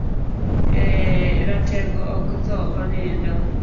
Eee, ratego ok thoo, onindo.